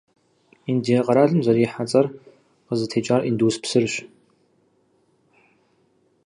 Индие къэралым зэрихьэ цӀэр къызытекӀар Индус псырщ.